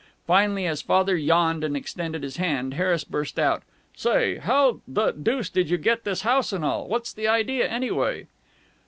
Finally, as Father yawned and extended his hand, Harris burst out: "Say, how the deuce did you get this house and all? What's the idea, anyway?"